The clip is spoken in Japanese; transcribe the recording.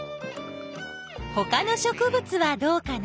ほかの植物はどうかな？